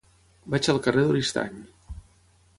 Vaig al carrer d'Oristany.